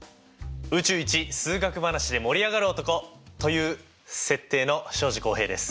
宇宙一数学話で盛り上がる男！という設定の庄司浩平です。